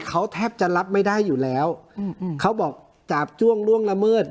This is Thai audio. เขาแทบจะรับไม่ได้อยู่แล้วอืมเขาบอกจาบจ้วงล่วงละเมิด